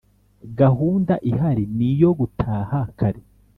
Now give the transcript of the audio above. gahunda ihari niyo gutaha kare